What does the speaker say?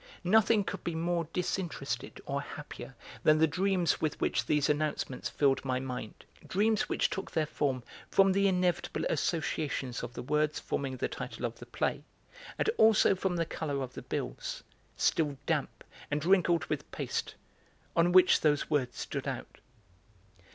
Nothing could be more disinterested or happier than the dreams with which these announcements filled my mind, dreams which took their form from the inevitable associations of the words forming the title of the play, and also from the colour of the bills, still damp and wrinkled with paste, on which those words stood out.